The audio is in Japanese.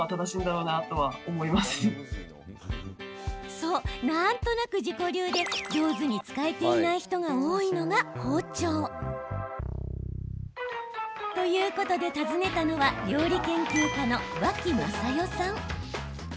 そう、なんとなく自己流で上手に使えていない人が多いのが包丁。ということで訪ねたのは料理研究家の脇雅世さん。